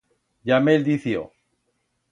Ya me'l dició.